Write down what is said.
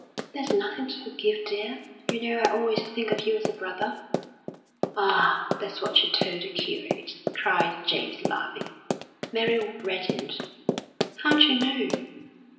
"There's nothing to forgive, dear. You know I always think of you as a brother." "Ah, that's what you told the curate!" cried James, laughing. Mary reddened. "How d'you know?"